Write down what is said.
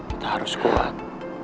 kita harus kuat